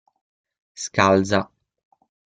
Scalza.